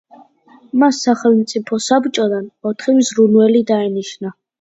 მას სახელმწიფო საბჭოდან ოთხი მზრუნველი დაენიშნა.